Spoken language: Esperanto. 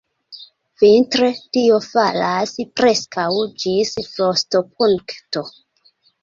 Vintre tio falas preskaŭ ĝis frostopunkto.